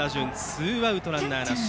ツーアウト、ランナーなし。